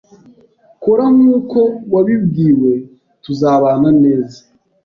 Kora nkuko wabibwiwe tuzabana neza